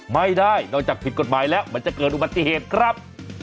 ไม่ได้นอกจากผิดกฎหมายแล้วมันจะเกิดอุบัติเหตุครับ